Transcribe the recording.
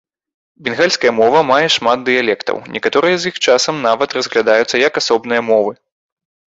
Бенгальская мова мае шмат дыялектаў, некаторыя з якіх часам нават разглядаюцца як асобныя мовы.